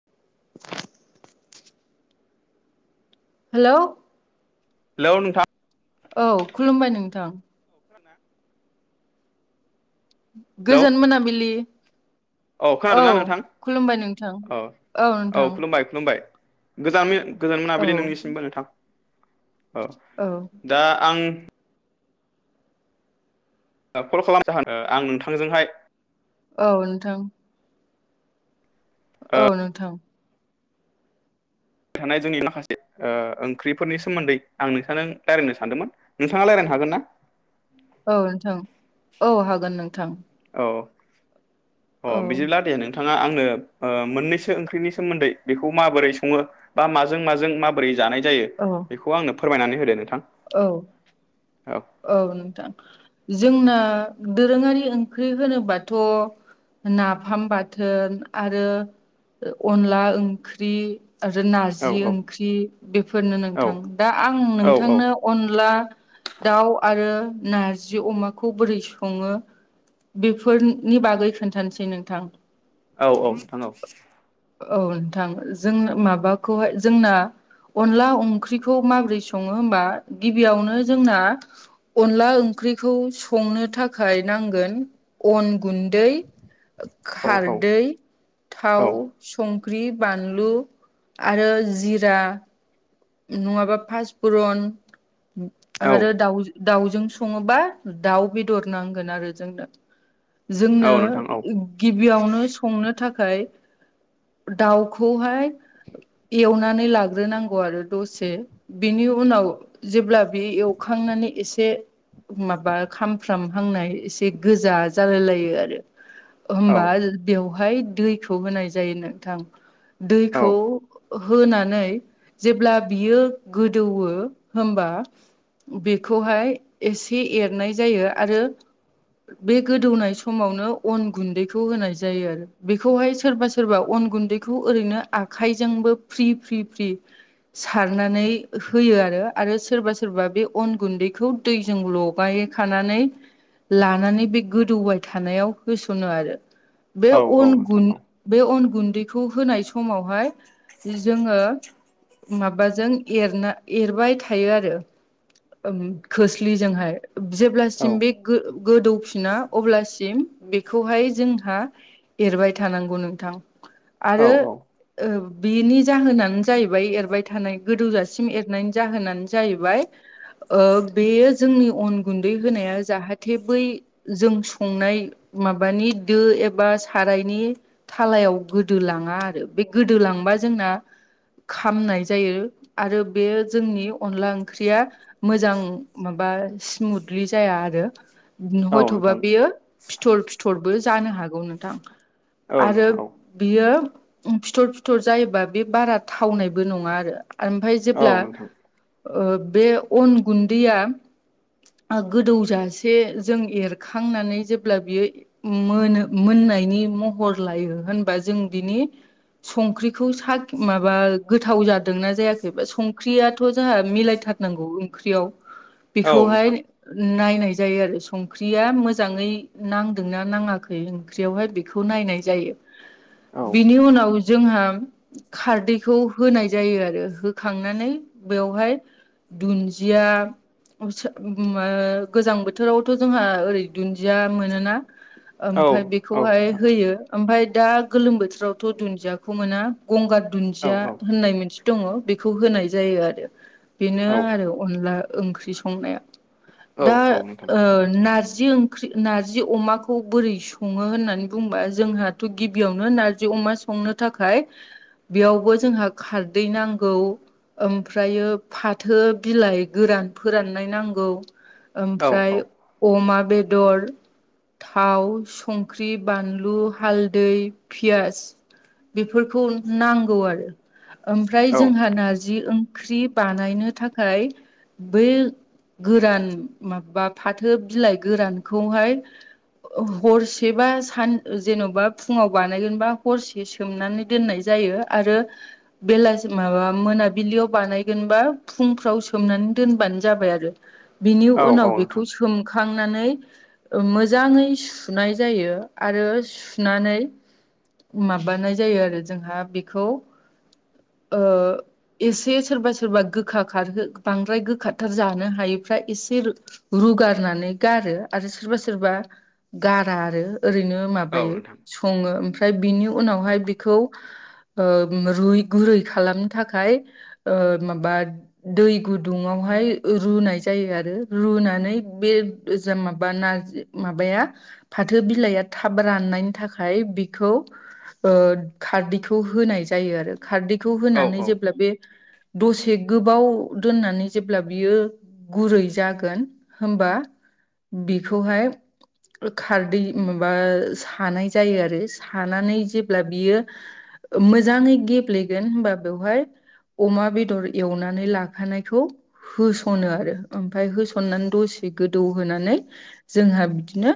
[inaudible] हेल' hello नोंथां औ खुलुमबाय नोंथां खोनादों ना गोजोन मोनाबिलि औ खोनादोंना नोंथां खुलुमबाय नोंथां औ औ नोंथां खुलुमबाय खुलुमबाय गोजान गोजान औ मोनाबिलि नोंनिसिमबो नोंथां औ दा आं कल खालाम जाहोना आं नोंथांजोंहाय औ नोंथां औ नोंथां। [inaudible] थानाय जोंनि माखासे ओ ओंख्रिफोरनि सोमोन्दै आं नोंथांजों रायलायनो सानदोंमोन। नोंथाङा रायलायनो हागोन ना? औ नोंथां औ हागोन नोंथां। औ अ औ बिदिब्ला दे नों नोंथाङा आंनो मोननैसो ओंख्रिनि सोमोन्दै बेखौ माबोरै सङो बा माजों माजों माबोरै जानाय जायो औ बेखौ आंनो फोरमायनानै होदो नोंथां। औ औ नोंथां। जोंना दोरोङारि ओंख्रि होनोबाथ' नाफाम बाथोन आरो अनला ओंख्रि आ जे नारजि औ ओंख्रि बेफोरनो औ नोंथां दा आं औ औ नोंथांनो अनला दाउ आरो नारजि अमाखौ बोरै सङो बेफोरनि बागै खोन्थानोसै नोंथां। औ औ नोंथां औ। औ नोंथां जों माबाखौहाय जोंना अनला अंख्रिखौ माबोरै सङो होमबा गिबियावनो जोंना अनला ओंख्रिखौ संनो थाखाय नांगोन अन गुन्दै, औ औ खारदै औ थाव संख्रि बानलु आरो जिरा नङाबा फासफुरन औ आरो दाउ दाउजों सङोबा दाउ बेदर नांगोन आरो जोंनो। औ जोंनो नोंथां औ गिबियावनो संनो थाखाय दाउखौहाय एवनानै लाग्रोनांगौ आरो दसे बिनि उनाव जेब्ला बे एवखांनानै एसे ओ माबा खामफ्राम हांनाय एसे गोजा जालाय लायो आरो। औ होमबा बेवहाय दैखौ होनाय जायो नोंथां औ दैखौ ओ होनानै जेब्ला बियो गोदौवो होमबा बेखौहाय एसे एरनाय जायो आरो। बे गोदौनाय समावनो अन गुन्दैखौ होनाय जायो आरो। बेखौहाय सोरबा सोरबा अन गुन्दैखौ ओरैनो आखाइजोंबो फ्रि फ्रि फ्रि सारनानै होयो आरो आरो सोरबा सोरबा बे अन गुन्दैखौ दैजों लगाय खानानै लानानै बे गोदौबाय थानायाव होसनो आरो। बे औ औ अन नोंथां गुन औ बे अन गुन्दैखौ होनाय समावहाय जोङो माबाजों एरना एरबाय थायो आरो ओ खोस्लिजोंहाय औ जेब्लासिम बे गो-गोदौफिना अब्लासिम बेखौहाय जोंहा एरबाय थानांगौ नोंथां। औ आरो ओ बिनि जाहोनानो जाहैबाय एर बाय थानाय गोदौजासिम एरनायनि जाहोनानो जाहैबाय ओ बेयो जोंनि अन गुन्दै होनाया जाहाथे बै जों संनाय माबानि दो एबा साराइनि थालायाव गोदोलाङा आरो बे गोदो लांबा जोंना खामनाय सा जायो आरो बे जोंनि अनला ओंख्रिया मोजां माबा स्मुथलि जाया आरो। औ हयथ'बा नोंथां बेयो फिथर फिथरबो जानो हागौ नोंथां औ आरो नोंथां औ बियो फिथर फिथर जायोबा बे बारा थावनायबो नङा आरो ओमफाय औ जेब्ला नोंथां ओ बे अन गुन्दैया ओ गोदौजासे जों एरखांनानै जेब्ला बियो मोनो मोननायनि महर लायो होनबा जों बिनि संख्रिखौ सा माबा गोथाव जादों दोंना जायाखै बा संख्रियाथ' जोहा मिलायथारनांगौ ओंख्रियाव औ बेखौहाय नोंथां नायनाय जायो आरो संख्रिया मोजाङै नांदोंना नाङाखै ओंख्रियावहाय बेखौ नायनाय जायो औ बिनि उनाव जोंहा खारदैखौ होनाय जायो आरो होखांनानै बेवहाय दुन्दिया गोजां बोथोरावथ' जोंहा ओरै दुन्दिया मोनोना औ ओमफ्राय औ बेखौहाय नोंथां होयो ओमफ्राय दा गोलोम बोथोरावथ' दुन्दियाखौ मोना गंगार औ औ दुन्दिया होननाय मोन दङ बेखौ होनाय जायो आरो बेनो औ आरो अनला ओंख्रि संनाया दा औ नोंथां नारजि ओं ओंख्रि नारजि अमाखौ बोरै सङो होननानै बुंबा जोंहाथ' गिबियावनो नारजि अमा संनो थाखाय बेयावबो जोंहा खारदै नांगौ ओमफ्रायो फाथो बिलाइ गोरान फोराननाय नांगौ औ नोंथां औ नोंथां औ ओमफ्राय अमा बेदर थाव संख्रि बानलु हालदै पियास बेफोरखौ नांगौ आरो ओमफ्राय जोंहा नारजि ओंख्रि बानायनो थाखाय बै गोरान माबा फाथो बिलाइ गोरानखौहाय हरसेबा सान जेन'बा फुङाव बानायगोनबा हरसे सोमनानै दोननाय जायो आरो बेलासि माबा मोनाबिलियाव बानायगोनबा फुंफ्राव सोमनानै दोनबानो जाबाय आरो बिनि औ उनाव बेखौ सोमखांनानै मोजाङै सुनाय जायो आरो सुनानै माबानाय जायो आरो जोंहा बेखौ ओ एसे सोरबा सोरबा गोखा खारहो बांद्राय गोखााथार जानो हायैफ्रा एसे रुगारनानै गारो आरो सोरबा सोरबा गारा आरो ओरैनो माबायो सङो ओमफाय बिनि उनावहाय बिखौ रुय गुरै खालामनो थाखाय माबा दै गुदुङावहाय रुनाय जायो आरो रुनानै बे माबा नारजि माबाया फाथो बिलाइया थाब राननायनि थाखाय बेखौ खारदैखौ होनाय जायो आरो खारदैखौ होनानै जेब्ला बे दसे गोबाव दोननानै जेब्ला बियो गुरै जागोन हबा बेखौहाय खारदै माबा सानाय जायो आरो सानानै जेब्ला बियो मोजाङै गेब्लेगोन होनबा बेवहाय अमा बेदर एवनानै लाखानायखौ होसनो आरो ओमफफ्राय होसननानै दसे गोदौहोनानै जोंहा बिदिनो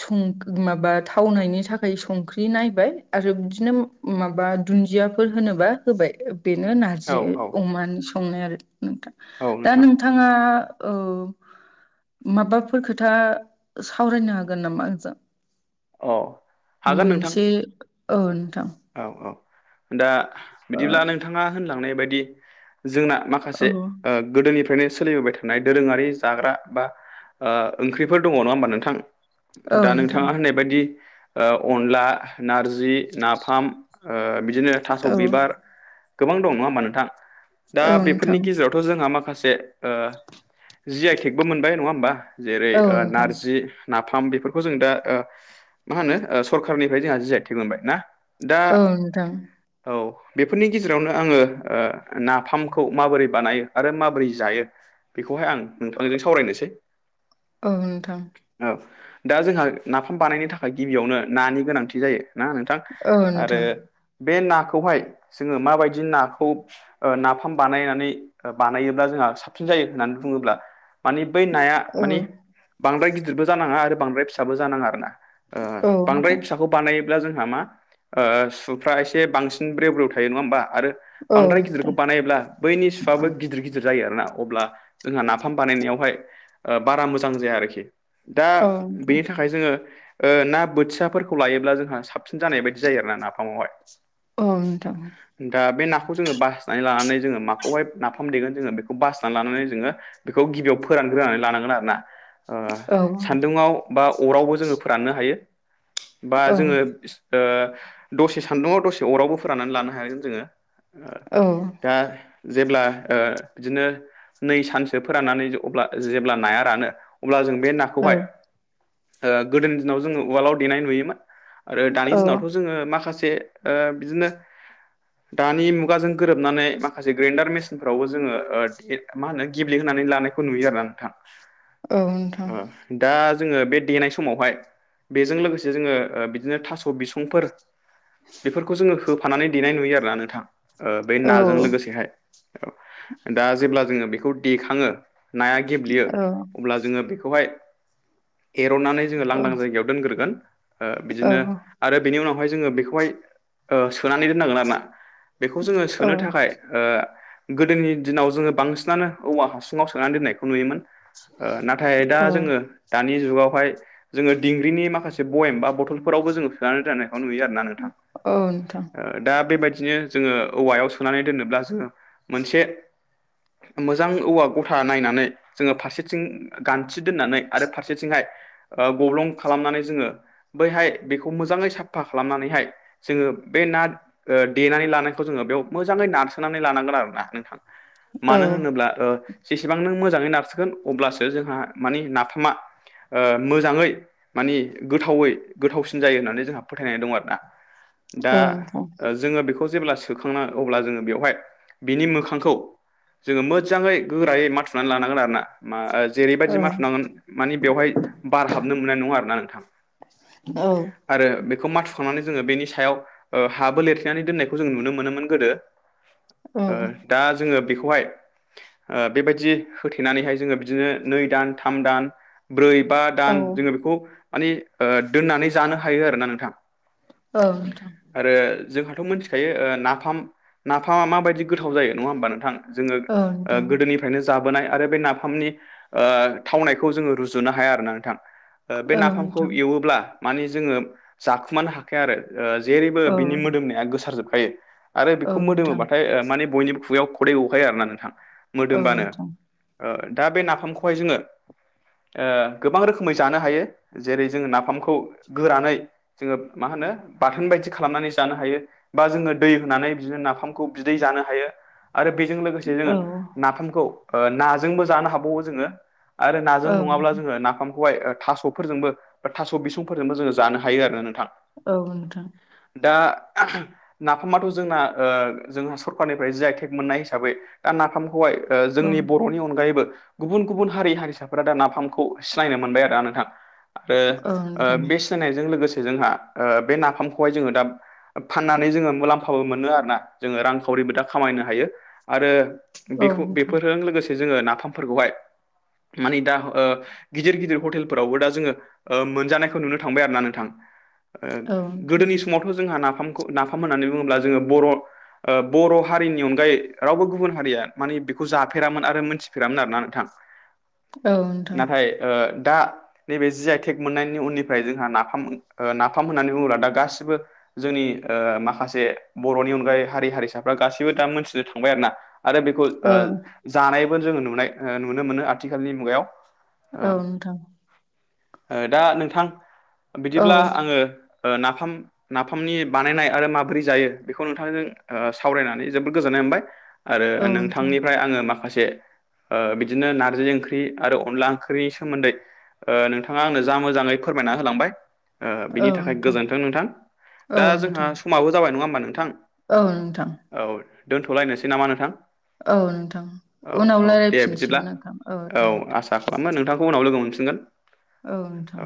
सं माबा थावनायनि थाखाय संख्रि नायबाय आरो बिदिनो माबा दुन्दियाफोर होनोबा होबाय बेनो नारजि औ अमानि संनाय आरो नोंथां औ दा नोंथां नोंथ बिथाङा माबाफोर खोथा सावरायनो हागोन नामा आंजों अ हागोन नोंथां मोनसे औ नोंथां औ औ दा ओ बिदिब्ला नोंथाङा होनलांनाय बायदि जोंना औ माखासे गोदोनिफ्रायनो सोलिबोबाय थायो थानाय दोरोङारि जाग्रा बा ओंख्रिफोर दङ नङा होमबा नोंथां औ दा नोंथां नोंथाङा होननाय बायदि अनला नारजि नाफाम बिदिनो थास' औ बिबार गोबां दं नङा होमा नोंथां दा औ बेफोरनि नोंथां गेजेराव थ' जोंहा माखासे जि आइ केेकबो मोनबाय नङा होमबा जेरै औ ओ नोंथां नारजि नाफाम बेफोरखौ जों दा मा होनो सरखारनिफ्राय जोंहा जि आइ टेग मोनबाय ना दा औ नोंथां औ बेफोरनि गेजेरावनो आङो ओ नाफामखौ माबोरै बानायो आरो माबोरै जायो बेखौहाय आं नोंथांजों सावरायनोसै औ नोंथां औ दा जोंहा नाफाम बानायनो थाखाय गिबियावनो नानि गोनांथि जायो ना नोंथां आरो बे नाखौहाय जोङो माबायदि नाखौ ओ नाफाम बानायनानै बानायोब्ला जोंहा साबसिन जायो होननानै बुङोब्ला माने बै नाया औ माने बांद्राय गिदिरबो जानाङा आरो बांद्राय फिसाबो जानाङा आरोना ओ बांद्राय नोंथां फिसाखौ बानायोब्ला जोंहा मा सुफ्रा एसे बांसिन ब्रेव ब्रेव थायो नङा होमबा आरो औ बांद्राय गिदिरखौ बानायब्ला बैनि सुवाबो गिदिर गिदिर जायो आरोना अब्ला जोंहा नाफाम बानायनायावहाय ओ बारा मोजां जाया आरोखि दा औ नोंथां बेनि थाखाय ओफाय जोङो ओ ना बोथियाफोरखौ लायोब्ला जोंहा साबसिन जानाय बायदि जायो आरो ना नाफामावहाय औ नोंथां दा बे नाखौ जोङो बासिनानै लानानै जोङो माखौहाय नाफाम देगोन जोङो बेखौ बासिनानै लानानै जोङो बेखौ गिबियाव फोरानग्रोनानै लानांगोन आरोना ओ औ नोंथां औ सान्दुुङाव बा अरावबो जोङो फोराननो हायो बा जोङो ओ दसे सान्दुङाव दसे अरावबो फोराननानै लानो हागोन जोङो औ दा जेब्ला ओ बिदिनो नै सानसो फोराननानै अब्ला जेब्ला नाया रानो अब्ला जों बे नाखौहाय गोदोनि दिनाव ओ जोङो उवालाव देनाय नुयोमोन आरो दानि औ नोंथां औ दिनावथ' जों जोङो माखासे ओ बिदिनो दानि मुगाजों गोरोबनानै माखासे ग्रेन्डार मेसिनफ्रावबो जोङो मा होनो गेब्लेहानै लानाय खौ नुयो आरोना नोंथां दा जोङो बे देनाय समावहाय बेजों लोगोसे जोङो बिदिनो थास' बिसंफोर बेफोरखौ जोङो होफानानै देनाय नुयो आरोना नोंथां बे ओ औ नाजों लोगोसेहाय औ दा जेब्ला जोङो बेखौ देखाङो नाया गेब्लेयो औ अब्ला जोङो बेखौ नाखौहाय एर'नानै जोङो लांदां जायगायाव दोनग्रोगोन ओ बिदिनो आरो बेनि उनावहाय जोङो बेखौहाय ओ सोनानै दोननांगोन आरो ना बेखौ जोङो औ सोनो थाखाय ओ गोदोनि दिनाव जोङो बांसिनानो औवा हासुङाव सोनानै दोननायखौ नुयोमोन। ओ नाथाय दा औ जोङो दानि जुगावहाय जोङो दिंग्रिनि माखासे बेयेम बा बथलफोरावबो जोङो सोनानै दानो बा नुयो आरोना नोंथां औ नोंथां ओ दा बेबायदिनो जोङो औवायाव सोनानै दोनोब्ला जोङो मोनसे मोजां औवा गथा नायनानै जोङो फारसेथिं गान्थि दोननानै आरो फारसेथिंहाय ओ गब्लं खालामनानै जोङो बैहाय बेखौ मोजाङै साफा खालामनानैहाय जोङो बे ना ओ देनानै लानायखौ जोङो बेयाव मोजाङै नारसोनानै लानांगोन आरो ना नोंथां। औ मानो होनोब्ला ओ जेसेबां नों मोजाङै नारसोगोन अब्लासो जोंहा माने नाफामा ओ मोजाङै मानि गोथावै गोथावसिन जायो होननानै जोंहा फोथायनाय दं आरोनंना औ नोंथां औ नोंथां औ दा नोंथां औ नोंथां औ नोंथां औ नोंथां औ जोङो बेखौ जेब्ला सोखांना अब्ला जोङो बेवहाय बेनि मोखांखौ जोङो मोजाङै गोरायै माथुनानै लानांगोन आरोना मा जेरैबायदि मा थुमनांगोन माने बेवहाय बार हाबनो मोननाय नङा आरोना नोंथां। औ आरो बेखौ माथुखांनानै जोङो बेनि सायाव हाबो लिरथेनानै दोननायखौ जों नुनो मोनोमोन गोदो दा जोङो बेखौहाय बेबायदि होथेनानैहाय जोङो बिदिनो नै दान थाम दान ब्रै बा जोङो बेखौ मान दोननानै जानो हायो आरोना नोंथां औ आरो जोंहाथ' मोनथिखायो नाफाम नाफामा माबायदि गोथाव जायो नङा होमबा नोंथां औ जोङो गोदोनि फ्रायनो जाबोनाय आरो बे नाफामनि थावनायखौ जोङो रुजुनो हाया आरो ना नोंथां बे नाफामखौ एवोब्ला माने जोङो जाखुमानो हाखाया आरो जेरैबो बिनि मोदोमनाया गोसार जोबखायो आरो बेखौ मोदोमोबाथाय माने बयनिबो खुगायाव खदै गखायो आरो ना नोंथां मोदोमबानो दा बे नाफामखौहाय जोङो गोबां रोखोमै जानो हायो जेरै जों नाफामखौ गोरानै जोङो मा होनो बाथोन बायदि खालामनानै जानो हायो बा जोङो दै होनानै बिदिनो नाफामखौ बिदै जानो हायो आरो बेजों लोगोसे जोङो नाफामखौ नाजोंबो जानो हाबावो जोङो आरो नाजों नङाब्ला जोङो नाफामखौहाय थास'फोरजोंबो बा थास' बि थासफोरजोंबो जोङो जानो हायो आरोना नोंथां औ नोंथां दा नाफामाथ' जोंना जोंहा सरखारनिफ्राय जि आइ थेक मोननाय हिसाबै दा नाफाम हाय औ जोंनि बर'नि अनगायैबो गुबुन गुबुन हारि हारिसाफोरा दा नाफामखौ सिनायनो मोनबाय आरोा नोंथां आरो औ नोंथां सिनायजों लोगोसे जोंहा बे नाफामखौहाय जोङो दा फाननानै जोङो मुलाम्फाबो मोनो आरो ना जोङो रांखावरिबो दा खामायनो हायो आरो औ बेखौ नोंथां बेफोरजों लोगोसे जोङो नाफामफोरखौहाय मानि दा गिदिर गिदिर हटेलफोरावबो दा जोङो मोनजानाय नुनो थांबाय आरोना नोंथां औ गोदोनि सम फुङावथ' जोंहा नाफामखौ नाफाम होननानै बुङोब्ला जोङो बर' बर' हारिनि अनगायै रावबो गुबुन हारिया मानि बेखौ जाफेरामोन आरो मोनथिफेरामोन आरोना नोंथां नोंथां नाथाय दा नैबे जि आइटेक मोननायनि उननि फ्राय जोंहा नाफाम नाफाम होननानै बुङोब्ला दा गासिबो जोंनि माखासे बर'नि अनगायै हारि हारिसाफ्रा गासैबो दा मोनथिनो थांबाय आरो ना आरो बेखौ औ जानायबो जोङो नुनाय नुनो मोनो आथिखालनि मुगायाव नोंथां दा नोंथां औ बिदिब्ला आङो नाफाम नाफामनि बानायनाय आरो माबोरै जायो बेखौ नोंथांजों सावरायनानै जोबोद गोजोननाय मोनबाय आरो औ नोंथांनिफ्राय आङो माखासे माखासे बिदिनो नारजि ओंख्रि आरो अनला ओंख्रिनि सोमोन्दै नोंथाङा आंनो जा मोजाङै फोरमायना होलांबाय बिनि थाखाय नोंथां गोजोन्थों नोंथां औ नोंथां औ दा जोंहा नोंथां समाबो जाबाय नङा होमबा नोंथां औ नोंथां औ दोन्थ'लायनोसै नामा नोंथां औ नोंथां औ उनाव औ दे बिदिब्ला रायलायफिनसिगोन नोंथां औ दे आसा खालामो नोंथांखौ उनाव लोगो मोनफनगोन औ नोंथां